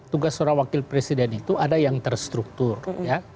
tugas seorang wakil presiden itu ada yang terstruktur ya